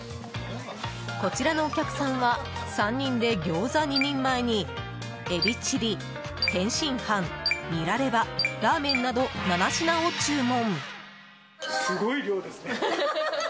こちらのお客さんは３人で餃子２人前にエビチリ天津飯、ニラレバラーメンなど７品を注文。